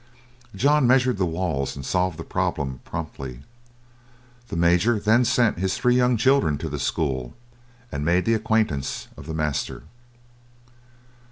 John measured the walls and solved the problem promptly. The Major then sent his three young children to the school, and made the acquaintance of the master.